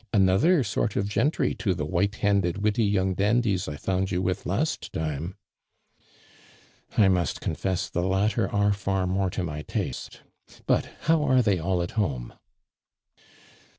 Another sort of gentry to tlie white handed, witty young dandies I found you with last time." " I must confess the latter are far more to my taste; but how are they all at home?"